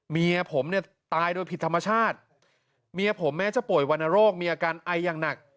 เมียผมเนี่ยตายโดยผิดธรรมชาติเมียผมแม้จะป่วยวรรณโรคมีอาการไออย่างหนัก